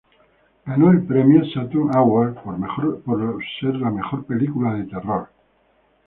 Ganó el premio Saturn Award por mejor película de terror.